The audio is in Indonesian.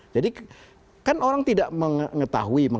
jadi kan orang tidak mengetahui